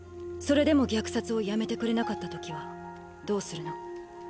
それでも虐殺をやめてくれなかった時はどうするの？